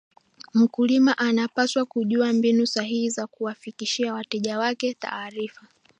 mkulima anapaswa kujua mbinu sahihi za kuwafikishia wateja wake taarifa